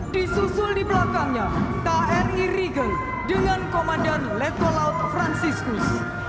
disusul di belakangnya kri rige dengan komandan letkol laut franciscus